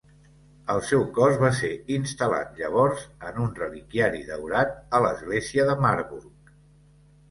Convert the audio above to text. El seu cos va ser instal·lat llavors en un reliquiari daurat a l'església de Marburg.